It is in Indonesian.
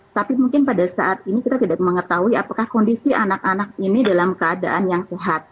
tapi mungkin pada saat ini kita tidak mengetahui apakah kondisi anak anak ini dalam keadaan yang sehat